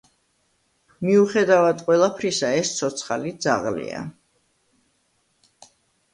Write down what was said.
მიუხედავად ყველაფრისა, ეს ცოცხალი ძაღლია.